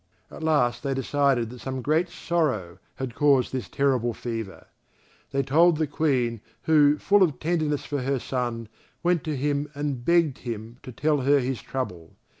At last they decided that some great sorrow had caused this terrible fever. They told the Queen, who, full of tenderness for her son, went to him and begged him to tell her his trouble.